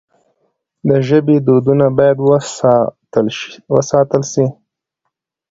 د ژبې دودونه باید وساتل سي.